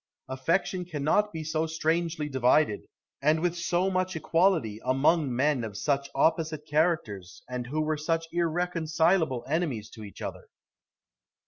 Affection cannot be so strangely divided, and with so much equality, among men of such opposite characters, and who were such irreconcilable enemies to each other.